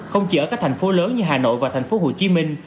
không chỉ ở các thành phố lớn như hà nội và thành phố hồ chí minh